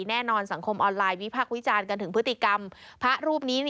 แน่นอนสังคมออนไลน์วิพักษ์วิจารณ์กันถึงพฤติกรรมพระรูปนี้